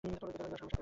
আসো আমার সাথে।